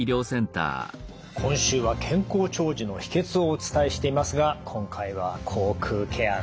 今週は「健康長寿の秘けつ」をお伝えしていますが今回は口腔ケア